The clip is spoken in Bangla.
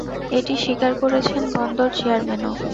এটি স্বীকার করেছেন বন্দর চেয়ারম্যানও।